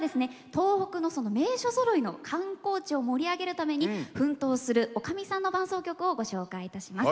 東北の名所ぞろいの観光地を盛り上げるために奮闘するおかみさんの伴走曲をご紹介いたします。